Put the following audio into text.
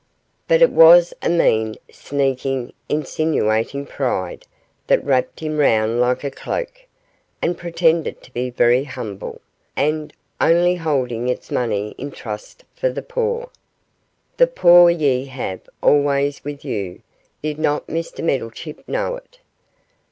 But it was a mean, sneaking, insinuating pride that wrapped him round like a cloak, and pretended to be very humble, and only holding its money in trust for the poor. The poor ye have always with you did not Mr Meddlechip know it?